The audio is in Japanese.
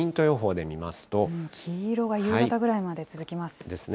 黄色が夕方ぐらいまで続きまですね。